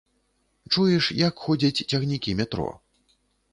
Чуеш, як ходзяць цягнікі метро.